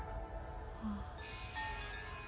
ああ。